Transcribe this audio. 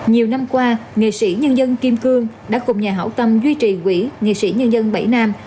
nhiều năm qua nghệ sĩ nhân dân kim cương đã cùng nhà hảo tâm duy trì quỹ nghệ sĩ nhân dân bảy nam